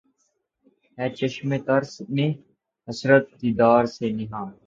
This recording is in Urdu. ھے چشم تر میں حسرت دیدار سے نہاں